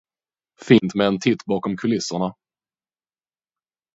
Fint med en titt bakom kulisserna.